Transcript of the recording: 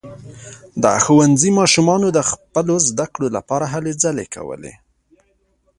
د ښوونځي ماشومانو د خپلو زده کړو لپاره هلې ځلې کولې.